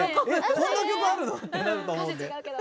こんな曲あるの？」ってなると思うんで。